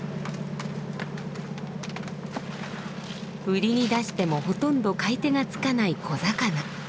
売りに出してもほとんど買い手がつかない小魚。